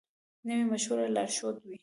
نوی مشوره لارښود وي